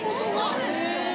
そうなんですよ。